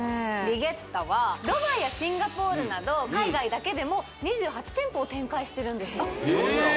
リゲッタはドバイやシンガポールなど海外だけでも２８店舗を展開してるんですえっ！